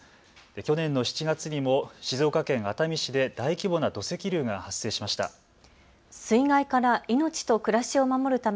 去年の７月にも静岡県熱海市で大規模な土石流が発生しました。